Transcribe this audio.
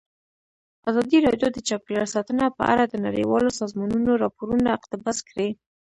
ازادي راډیو د چاپیریال ساتنه په اړه د نړیوالو سازمانونو راپورونه اقتباس کړي.